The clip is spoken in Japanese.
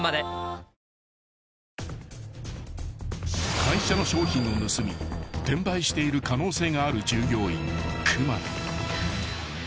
［会社の商品を盗み転売している可能性がある従業員クマラ］